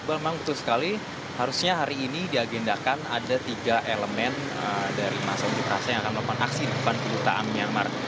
memang betul sekali harusnya hari ini diagendakan ada tiga elemen dari masa unjuk rasa yang akan melakukan aksi di depan kedutaan myanmar